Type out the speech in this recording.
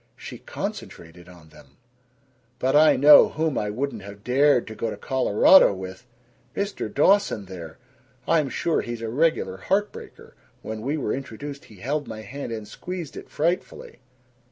She concentrated on them: "But I know whom I wouldn't have dared to go to Colorado with! Mr. Dawson there! I'm sure he's a regular heart breaker. When we were introduced he held my hand and squeezed it frightfully."